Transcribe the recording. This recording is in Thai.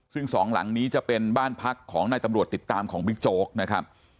ซึ่งสองหลังนี้จะเป็นบ้านพักของนายตำรวจติดตามของบิ๊กโจ๊กนะครับ